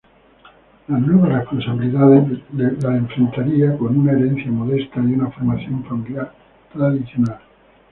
Las nuevas responsabilidades las enfrentaría con una herencia modesta y una formación familiar tradicional.